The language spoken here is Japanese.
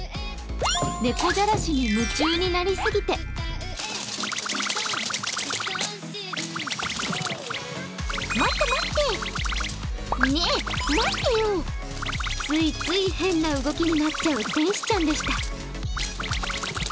猫じゃらしに夢中になりすぎてついつい変な動きになっちゃう天使ちゃんでした。